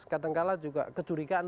kadang kadang juga kecurigaan